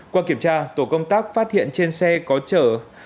qua kiểm tra tổ công tác phát hiện trên xe có chở